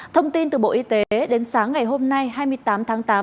thông tin từ bộ y tế đến sáng ngày hôm nay hai mươi tám tháng tám